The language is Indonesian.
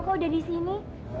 kamu udah disini